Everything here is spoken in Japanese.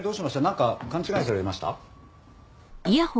なんか勘違いされました？